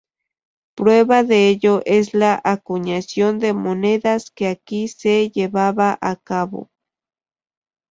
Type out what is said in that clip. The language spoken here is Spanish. Prueba de ello es la acuñación de monedas que aquí se llevaba a cabo.